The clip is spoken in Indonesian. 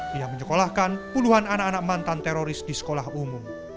dia menyekolahkan puluhan anak anak mantan teroris di sekolah umum